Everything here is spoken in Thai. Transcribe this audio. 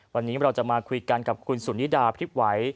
วันนี้เราจะมาคุยกันกับคุณสุนิดาพริบไหว